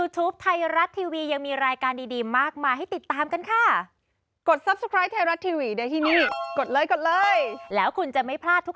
สวัสดีครับ